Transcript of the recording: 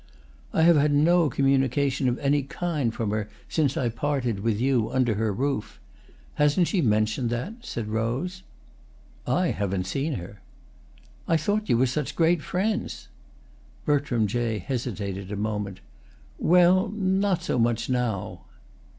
"I have had no communication of any kind from her since I parted with you under her roof. Hasn't she mentioned that?" said Rose. "I haven't seen her." "I thought you were such great friends." Bertram Jay hesitated a moment. "Well, not so much now."